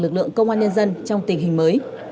lực lượng công an nhân dân trong tình hình mới